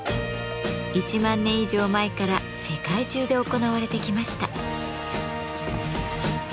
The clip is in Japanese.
１万年以上前から世界中で行われてきました。